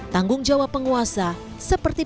tanggung jawab penguasa seperti